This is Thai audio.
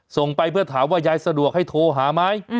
ส่งไปเพื่อถามว่ายายสะดวกให้โทรหาไหม